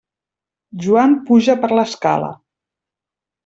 Joan puja per l'escala.